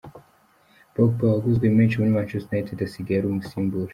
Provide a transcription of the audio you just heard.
Pogba waguzwe menshi muri Manchester United asigaye ari umusimbura.